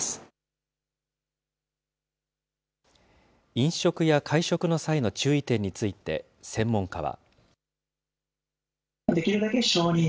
飲食や会食の際の注意点について、専門家は。